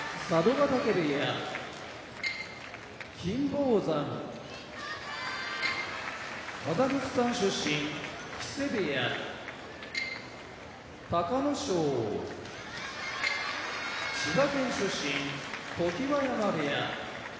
嶽部屋金峰山カザフスタン出身木瀬部屋隆の勝千葉県出身常盤山部屋